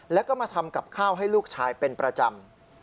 แล้วก็มาทำกับข้าวให้ลูกชายเป็นประจำ